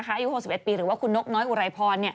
อายุ๖๑ปีหรือว่าคุณนกน้อยอุไรพร